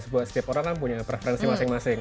buat setiap orang kan punya preferensi masing masing